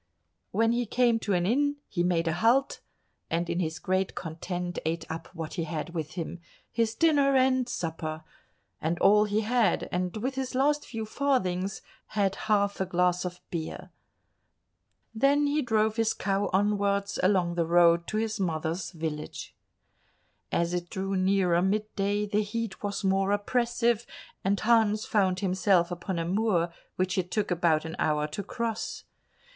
When he came to an inn he made a halt, and in his great content ate up what he had with him—his dinner and supper—and all he had, and with his last few farthings had half a glass of beer. Then he drove his cow onwards along the road to his mother's village. As it drew nearer mid day, the heat was more oppressive, and Hans found himself upon a moor which it took about an hour to cross.